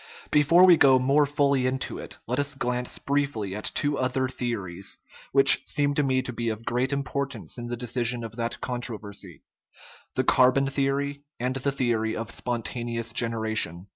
But before we go more fully into it, let us glance briefly at two other theories, which seem to me to be of great importance in the decision of that controversy the carbon theory and the theory of spontaneous generation.